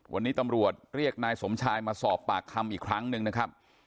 วันนี้ตำรวจเรียกนายสมชายมาสอบปากคำอีกครั้งหนึ่งนะครับ